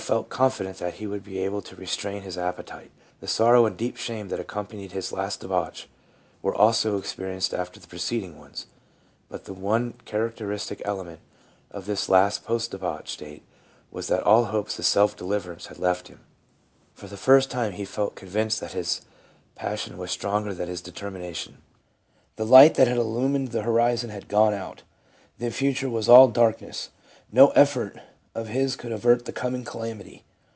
felt confident that he would be able to restrain his appetite. The sorrow and deep shame that accompanied his last debauch were also experienced after the preceding ones, but the one characteristic element of this last post debauch state was that all hopes of self deliverance had left him. For the first time he felt convinced that his passion was stronger than his determination ; the light that had illumined the hori zon had gone out ; the future was all darkness ; no effort of his could avert the coming calamity.